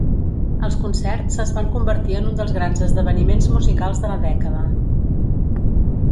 Els concerts es van convertir en un dels grans esdeveniments musicals de la dècada.